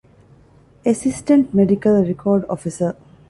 އެސިސްޓެންޓް މެޑިކަލް ރެކޯޑް އޮފިސަރ